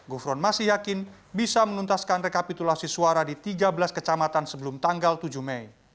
gufron masih yakin bisa menuntaskan rekapitulasi suara di tiga belas kecamatan sebelum tanggal tujuh mei